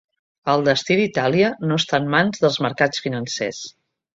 El destí d’Itàlia no està en mans dels mercats financers.